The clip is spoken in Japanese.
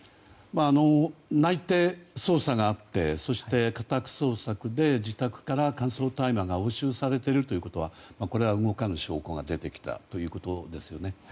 内偵捜査があってそして家宅捜索で自宅から乾燥大麻が押収されているということはこれは動かぬ証拠が出てきたということですよね。